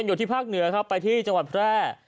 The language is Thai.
อยู่ที่ภาคเหนือครับไปที่จังหวัดแพร่